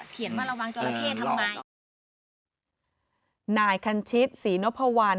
เขียนว่าระวังจราเข้ทำไงนายคันชิตศรีนพวัล